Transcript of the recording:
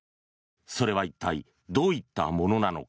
それは一体どういったものなのか。